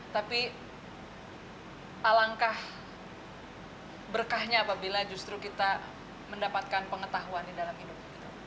tapi alangkah berkahnya apabila justru kita mendapatkan pengetahuan di dalam hidup